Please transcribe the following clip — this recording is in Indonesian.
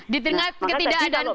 di tengah ketidakadaan